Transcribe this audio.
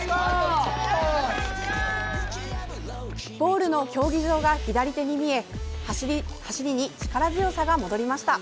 ゴールの競技場が左手に見え走りに力強さが戻りました。